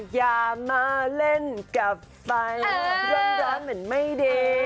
อย่ามาเล่นกับไปร้อนร้อนเหมือนไม่ได้